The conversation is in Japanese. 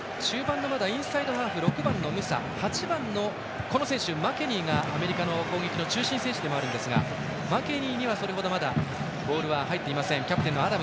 中盤のインサイドハーフ６番のムサ、８番のマケニーがアメリカの攻撃の中心選手ですがマケニーにはそれほどまだボールは入っていません。